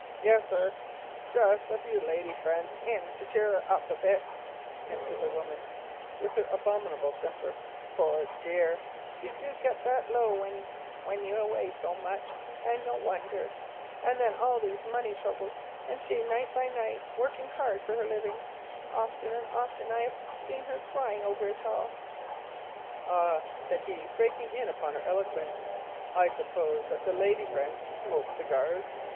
"Yes, sir, just a few lady friends to cheer her up a bit," answered the woman, with her abominable simper; "poor dear, she do get that low with you away so much, and no wonder; and then all these money troubles, and she night by night working hard for her living at the music hall. Often and often have I seen her crying over it all——" "Ah," said he, breaking in upon her eloquence, "I suppose that the lady friends smoke cigars.